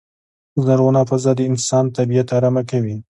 زرغونه فضا د انسان طبیعت ارامه کوی.